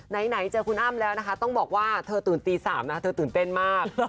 ไหนเจอคุณอ้ำแล้วนะคะต้องบอกว่าเธอตื่นตี๓นะเธอตื่นเต้นมาก